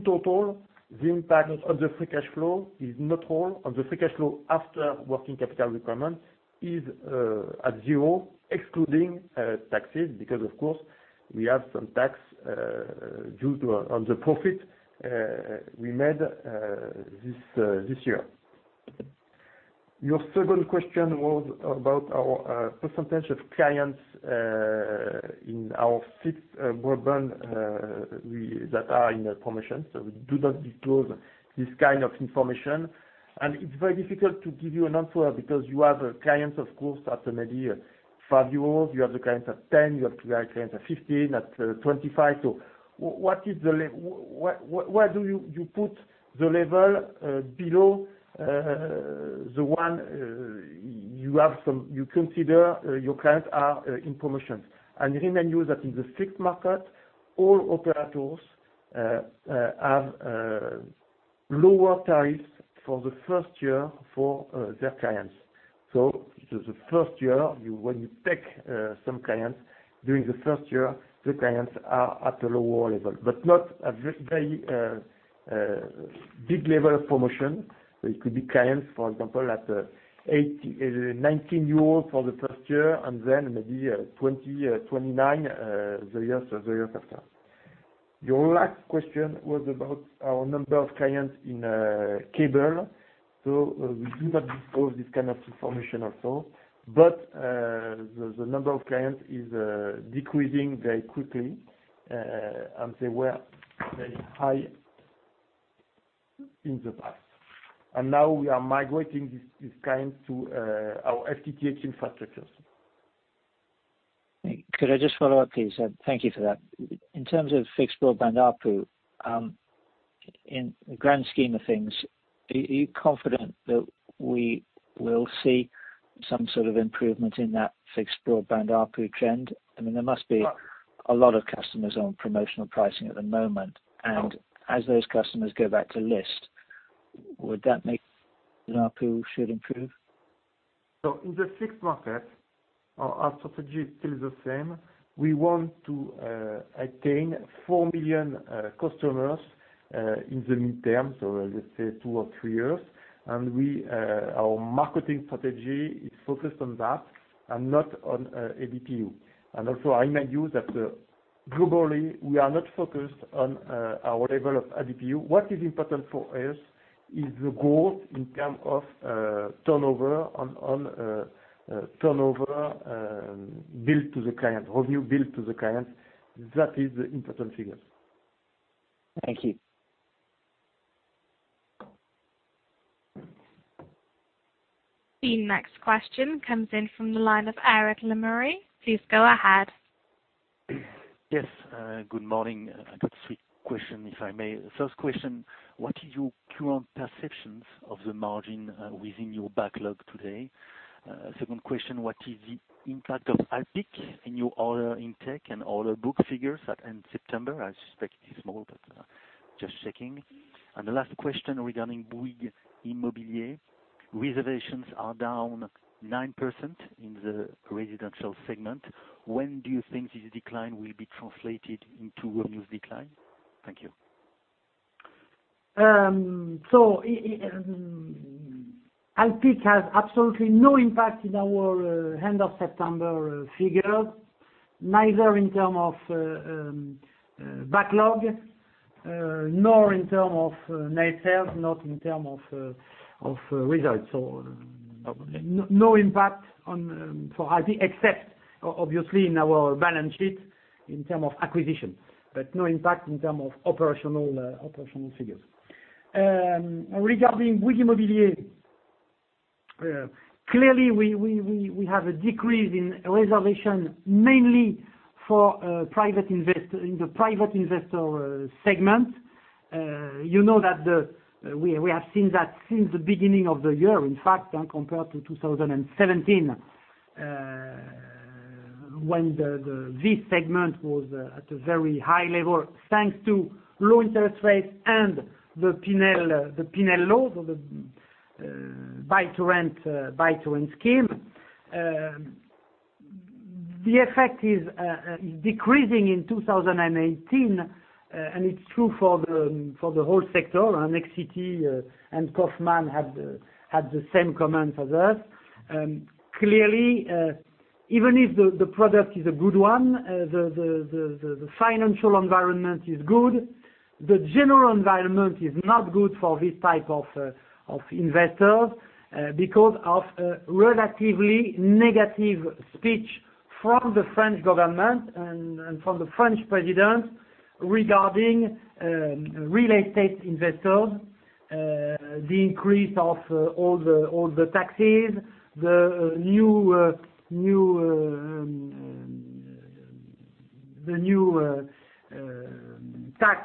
total. The impact of the free cash flow is not all of the free cash flow after working capital requirement is at zero, excluding taxes, because of course, we have some tax due on the profit we made this year. Your second question was about our percentage of clients in our fixed broadband that are in promotion. We do not disclose this kind of information. It's very difficult to give you an answer because you have clients, of course, at maybe 5 euros. You have the clients at 10, you have clients at 15, at 25. Where do you put the level below the one you consider your clients are in promotion? Remind you that in the fixed market, all operators have lower tariffs for the first year for their clients. The first year, when you take some clients during the first year, the clients are at a lower level, but not at a very big level of promotion. It could be clients, for example, at 19 euros for the first year and then maybe 29 the year after. Your last question was about our number of clients in cable. We do not disclose this kind of information at all. The number of clients is decreasing very quickly, and they were very high in the past. Now we are migrating these clients to our FTTH infrastructures. Could I just follow up, please? Thank you for that. In terms of fixed broadband ARPU, in the grand scheme of things, are you confident that we will see some sort of improvement in that fixed broadband ARPU trend? I mean, there must be a lot of customers on promotional pricing at the moment. As those customers go back to list, would that make ARPU should improve? In the fixed market, our strategy is still the same. We want to attain 4 million customers in the midterm, so let's say two or three years. Our marketing strategy is focused on that and not on ARPU. Also, I remind you that globally, we are not focused on our level of ARPU. What is important for us is the growth in terms of turnover billed to the client, revenue billed to the client. That is the important figure. Thank you. The next question comes in from the line of Eric Lemarié. Please go ahead. Yes, good morning. I got three questions, if I may. First question, what is your current perceptions of the margin within your backlog today? Second question, what is the impact of Alpiq in your order intake and order book figures at end September? I suspect it is small, but just checking. The last question regarding Bouygues Immobilier. Reservations are down 9% in the residential segment. When do you think this decline will be translated into a new decline? Thank you. Alpiq has absolutely no impact in our end of September figures, neither in terms of backlog, nor in term of net sales, not in terms of results. No impact for Alpiq except obviously in our balance sheet in termsreservations of acquisition, but no impact in terms of operational figures. Regarding Bouygues Immobilier, clearly, we have a decrease in reservation mainly in the private investor segment. You know that we have seen that since the beginning of the year. In fact, compared to 2017, when this segment was at a very high level, thanks to low interest rates and the Pinel laws, or the buy-to-rent scheme. The effect is decreasing in 2018, and it is true for the whole sector. Nexity and Kaufman had the same comment as us. Clearly, even if the product is a good one, the financial environment is good. The general environment is not good for this type of investor because of a relatively negative speech from the French government and from the French president regarding real estate investors. The increase of all the taxes, the new tax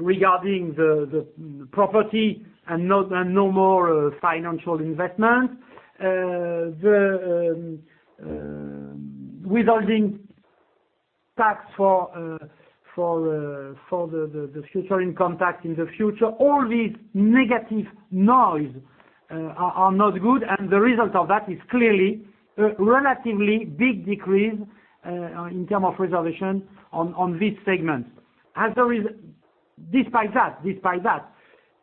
regarding the property and no more financial investment. The withholding tax for the future income tax in the future. All this negative noise are not good, and the result of that is clearly a relatively big decrease in terms of reservation on this segment. Despite that,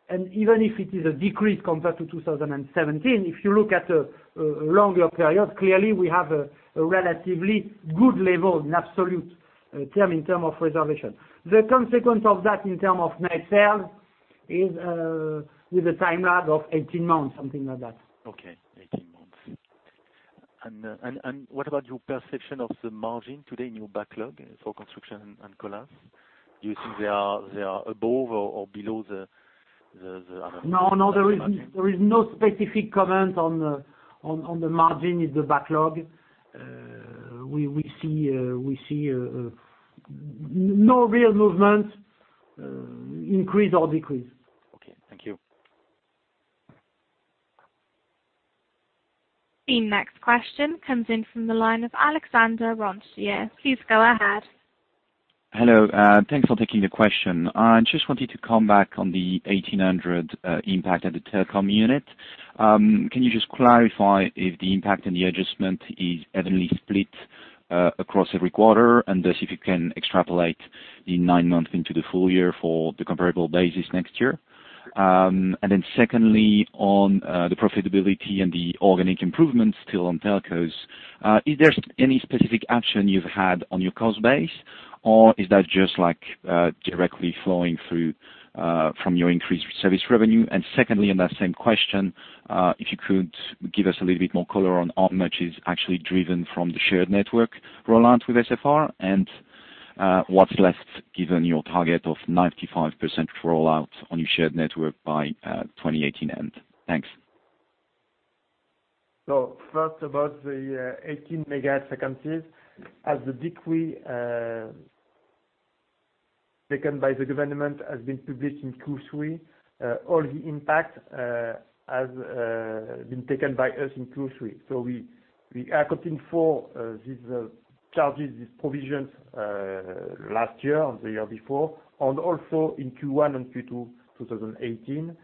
and even if it is a decrease compared to 2017, if you look at a longer period, clearly we have a relatively good level in absolute term in term of reservation. The consequence of that in term of net sales is with a time lag of 18 months, something like that. Okay, 18 months. What about your perception of the margin today in your backlog for construction and Colas? Do you think they are above or below the other- No. There is no specific comment on the margin in the backlog. We see no real movement, increase or decrease. Okay. Thank you. The next question comes in from the line of Alexandre Roncier. Please go ahead. Hello. Thanks for taking the question. I just wanted to come back on the 1800 impact at the telecom unit. Can you just clarify if the impact and the adjustment is evenly split across every quarter, and thus if you can extrapolate the nine months into the full year for the comparable basis next year? Secondly, on the profitability and the organic improvements still on telcos, is there any specific action you've had on your cost base, or is that just directly flowing through from your increased service revenue? Secondly, on that same question, if you could give us a little bit more color on how much is actually driven from the shared network rollout with SFR and what's left, given your target of 95% rollout on your shared network by 2018 end. Thanks. First, about the 1800 MHz frequencies. As the decree taken by the government has been published in Q3, all the impact has been taken by us in Q3. We are accounting for these charges, these provisions, last year and the year before, and also in Q1 and Q2 2018.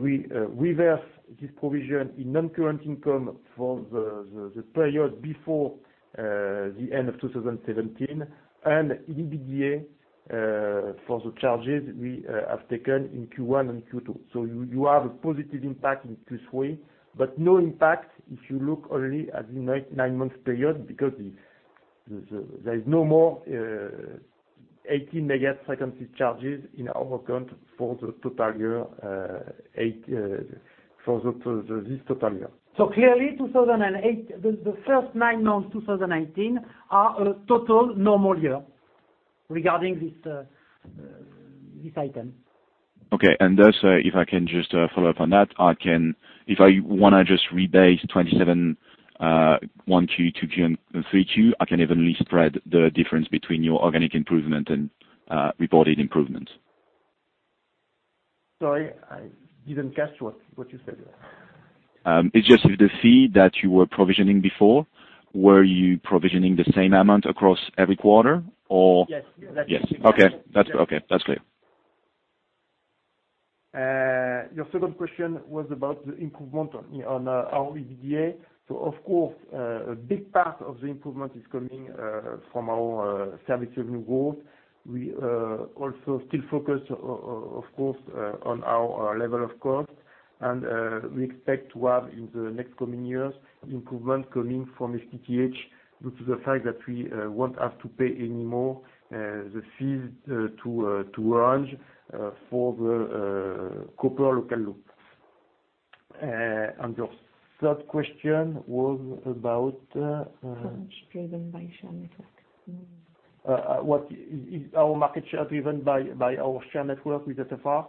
We reverse this provision in non-current income for the period before the end of 2017 and EBITDA for the charges we have taken in Q1 and Q2. You have a positive impact in Q3, but no impact if you look only at the nine months period, because there is no more 1800 MHz frequency charges in our account for this total year. Clearly, the first nine months 2019 are a total normal year regarding this item. Okay, if I can just follow up on that. If I want to just rebase 2017, Q1, Q2, and Q3, I can evenly spread the difference between your organic improvement and reported improvement. Sorry, I didn't catch what you said there. It's just with the fee that you were provisioning before, were you provisioning the same amount across every quarter or- Yes. Yes, okay. That's clear. Your second question was about the improvement on our EBITDA. Of course, a big part of the improvement is coming from our service revenue growth. We also still focus, of course, on our level of cost. We expect to have in the next coming years improvement coming from FTTH due to the fact that we won't have to pay any more fees to Orange for the copper local loop. Your third question was about- How much driven by share network? Is our market share driven by our share network with SFR?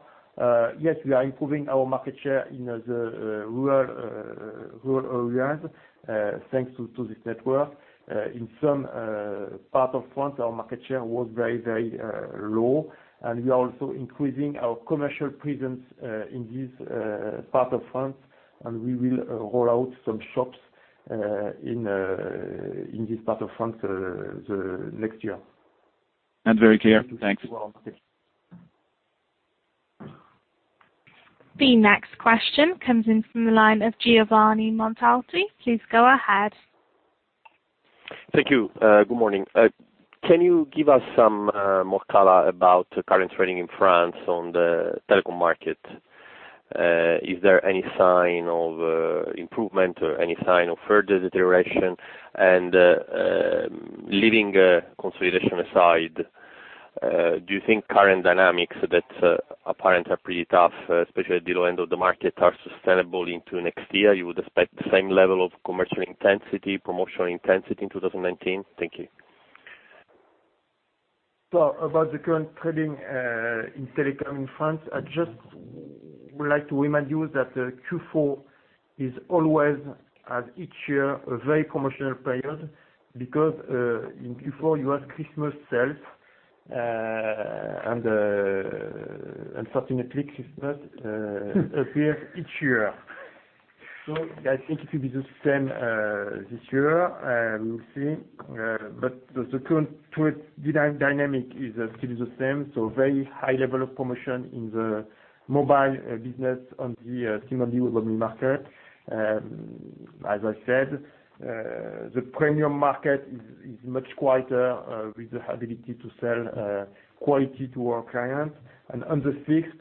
Yes, we are improving our market share in the rural areas thanks to this network. In some parts of France, our market share was very low. We are also increasing our commercial presence in this part of France, and we will roll out some shops in this part of France next year. That's very clear. Thanks. You're welcome. The next question comes in from the line of Giovanni Montalti. Please go ahead. Thank you. Good morning. Can you give us some more color about current trading in France on the telecom market? Is there any sign of improvement or any sign of further deterioration? Leaving consolidation aside, do you think current dynamics that apparent are pretty tough, especially at the low end of the market, are sustainable into next year? You would expect the same level of commercial intensity, promotional intensity in 2019? Thank you. About the current trading in telecom in France, I just would like to remind you that Q4 is always, as each year, a very promotional period because in Q4 you have Christmas sales, and unfortunately, Christmas appears each year. I think it will be the same this year. We will see. The current dynamic is still the same, very high level of promotion in the mobile business on the SIM-only mobile market. As I said, the premium market is much quieter with the ability to sell quality to our clients. On the fixed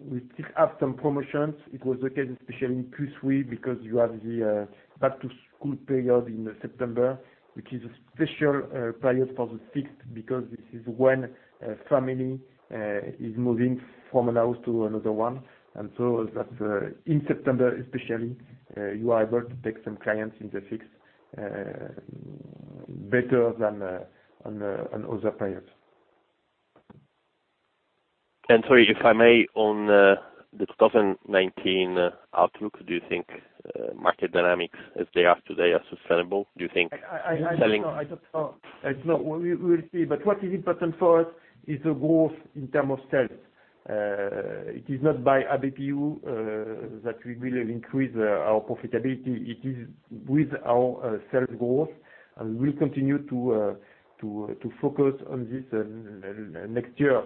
we still have some promotions. It was the case especially in Q3 because you have the back-to-school period in September, which is a special period for the fixed because this is when a family is moving from a house to another one. In September, especially, you are able to take some clients in the fixed better than on other periods. Sorry, if I may, on the 2019 outlook, do you think market dynamics as they are today are sustainable? Do you think selling- I don't know. We will see. What is important for us is the growth in terms of sales. It is not by ABPU that we will increase our profitability. It is with our sales growth, and we'll continue to focus on this next year.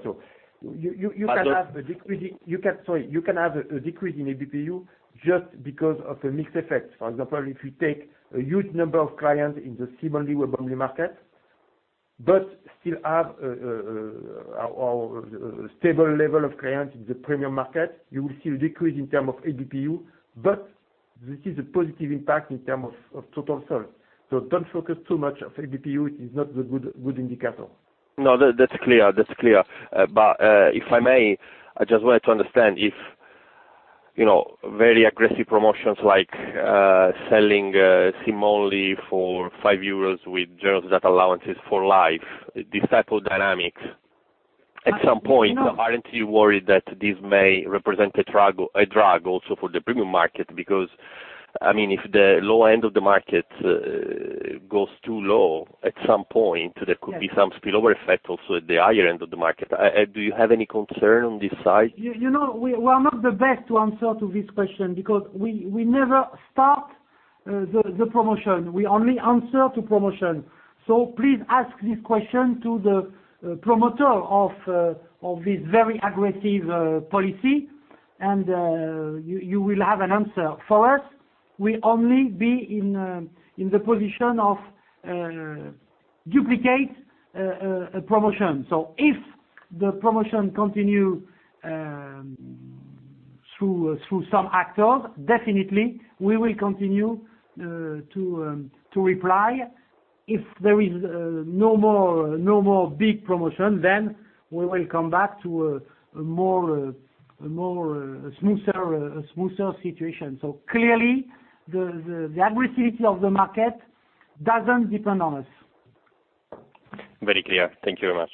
You can have a decrease in ABPU just because of a mixed effect. For example, if you take a huge number of clients in the SIM-only mobile market, but still have a stable level of clients in the premium market, you will see a decrease in terms of ABPU. This is a positive impact in terms of total sales. Don't focus too much on ABPU. It is not the good indicator. No, that's clear. If I may, I just wanted to understand if very aggressive promotions like selling SIM-only for 5 euros with zero data allowances for life, this type of dynamics, at some point, aren't you worried that this may represent a drag also for the premium market? If the low end of the market goes too low, at some point there could be some spillover effect also at the higher end of the market. Do you have any concerns on this side? We are not the best to answer to this question we never start the promotion. We only answer to promotion. Please ask this question to the promoter of this very aggressive policy, you will have an answer. For us, we only be in the position of duplicate a promotion. If the promotion continue through some actors, definitely we will continue to reply. If there is no more big promotion, we will come back to a smoother situation. Clearly, the aggressivity of the market doesn't depend on us. Very clear. Thank you very much.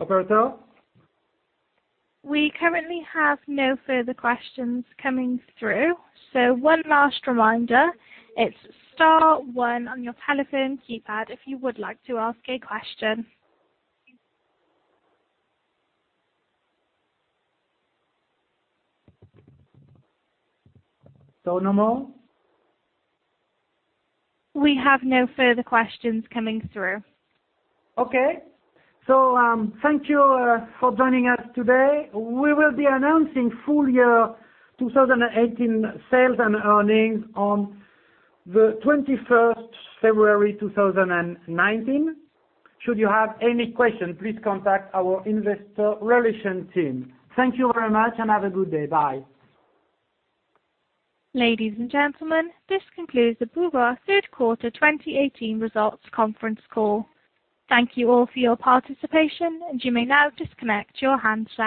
Operator? We currently have no further questions coming through. One last reminder, it's star one on your telephone keypad if you would like to ask a question. No more? We have no further questions coming through. Okay. Thank you for joining us today. We will be announcing full-year 2018 sales and earnings on February 21st, 2019. Should you have any questions, please contact our investor relations team. Thank you very much and have a good day. Bye. Ladies and gentlemen, this concludes the Bouygues third-quarter 2018 results conference call. Thank you all for your participation, and you may now disconnect your handsets.